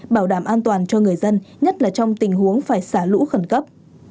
bảo đảm an toàn cho người dân nhất là trong tình huống phải xả lũ khẩn cấp